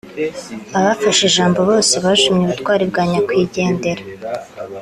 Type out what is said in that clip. Abafashe ijambo bose bashimye ubutwari bwa nyakwigendera